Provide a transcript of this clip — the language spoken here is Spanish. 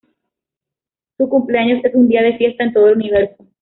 Su cumpleaños es un día de fiesta en todo el universo.